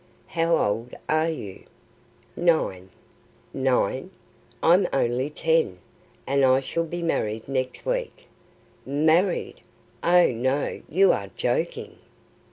"How old are you?" "Nine." "Nine! I'm only ten, and I shall be married next week " "Married! Oh, no, you are joking."